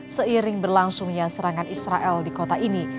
seiring berlangsungnya serangan israel di kota ini